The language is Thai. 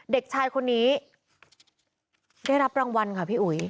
เด็กชายคนนี้ได้รับรางวัลค่ะพี่อุ๋ย